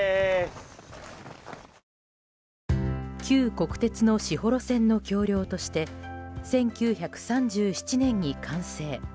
旧国鉄の士幌線の橋梁として１９３７年に完成。